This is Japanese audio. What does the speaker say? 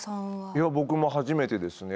いや僕も初めてですね。